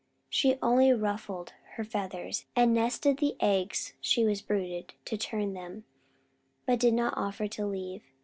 She only ruffled her feathers, and nestled the eggs she was brooding to turn them, but did not offer to leave.